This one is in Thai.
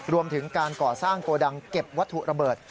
รวมถึงการก่อสร้างโกดังเก็บวัตถุระเบิด